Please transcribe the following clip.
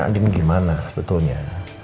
andin gimana betulnya